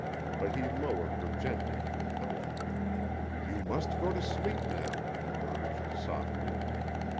But he lowered her gently to the pillow. "You must go to sleep now," he urged, softly.